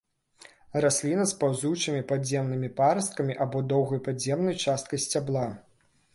Расліна з паўзучымі падземнымі парасткамі або доўгай падземнай часткай сцябла.